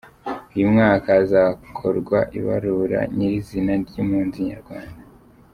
Uyu mwaka hakazakorwa ibarura nyir’izina ry’impunzi z’Abanyarwanda.